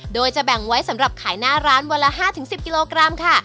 โดยจะแบ่งไว้สำหรับขายหน้าร้านวันละ๕๑๐กิโลกรัมค่ะ